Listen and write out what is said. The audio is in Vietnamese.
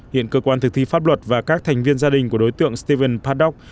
hiện cơ quan thực thi pháp luật và các thành viên gia đình của đối tượng steven paddock